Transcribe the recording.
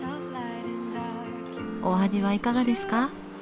お味はいかがですか？